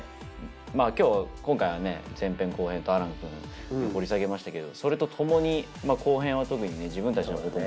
まあ今日今回はね前編後編と亜嵐くん掘り下げましたけどそれとともに後編は特に自分たちのことも。